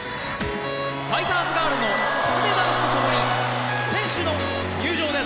ファイターズガールのきつねダンスと共に選手の入場です。